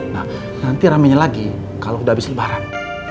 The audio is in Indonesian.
nah nanti rame nya lagi kalau udah abis lebaran